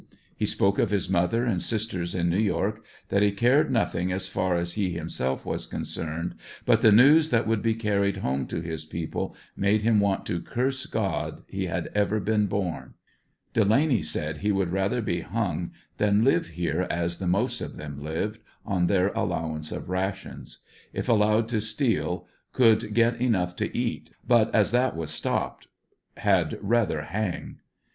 He spoke of his mother and sisters in New York, that he cared nothing as far as he himself was concerned, but the news that would be carried home to his people made him want to curse God he had ever been born, Delaney said he would rather be hung than live here as the most of them lived, on their allowance of rations. If allowed to steal could get enough to eat, but as that was stopped had rather hang.